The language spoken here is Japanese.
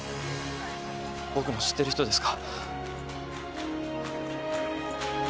僕の知ってる人ですか？